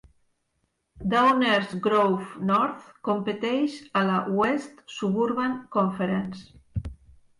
Downers Grove North competeix a la West Suburban Conference.